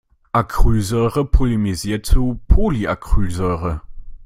Acrylsäure polymerisiert zu Polyacrylsäure.